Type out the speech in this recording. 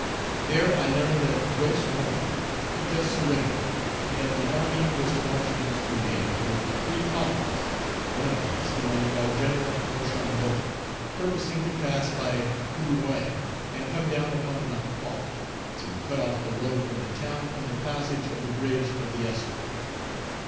There I learned that Gros Morne had just surrendered, and that the army was to march against Gonaïves with three columns; one of these, commanded by Gen. Rochambeau, purposing to pass by Couleuvre and come down upon La Croix, to cut off the road from the town and the passage of the bridge of the Ester.